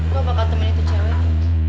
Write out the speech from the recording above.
gue apa yang temuin itu cewek